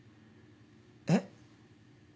えっ？